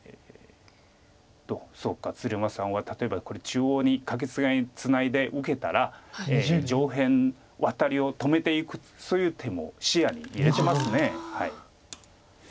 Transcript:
そうか鶴山さんは例えば中央にカケツナいで受けたら上辺ワタリを止めていくそういう手も視野に入れてます。